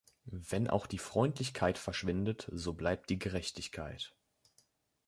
Wenn auch die Freundlichkeit verschwindet, so bleibt die Gerechtigkeit.